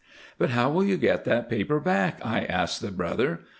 'But how will you get that paper back?' I asked the brother.